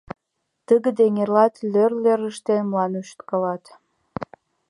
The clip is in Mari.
Тыгыде эҥерлат, лӧр-лӧрым ыштен, мландым шӱткалат.